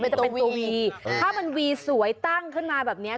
มันจะเป็นตัววีถ้ามันวีสวยตั้งขึ้นมาแบบเนี้ย